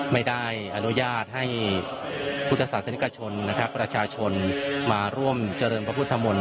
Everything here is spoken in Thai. ไม่ได้อนุญาตให้พุทธศาสนิกชนนะครับประชาชนมาร่วมเจริญพระพุทธมนต